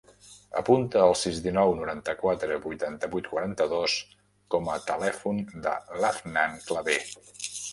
Apunta el sis, dinou, noranta-quatre, vuitanta-vuit, quaranta-dos com a telèfon de l'Afnan Claver.